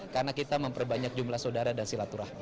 karena kita memperbanyak jumlah sodara dan silaturahmi